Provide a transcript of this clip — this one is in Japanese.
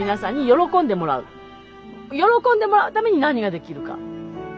喜んでもらうために何ができるか。